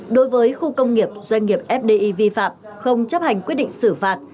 đối với khu công nghiệp doanh nghiệp fdi vi phạm không chấp hành quyết định xử phạt